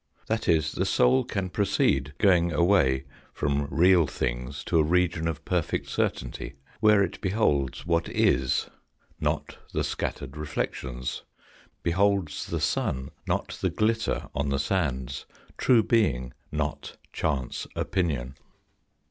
That is, the soul can proceed, going away from real 3 34 TSE FOURTH DIMENSION things to a region of perfect certainty, where it beholds what is, not the scattered reflections ; beholds the sun, not the glitter on the sands ; true being, not chance opinion.